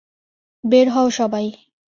বের হও সবাই।